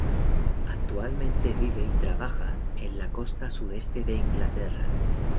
Actualmente vive y trabaja en la costa sudeste de Inglaterra.